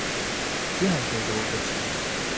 只係地道嘅詞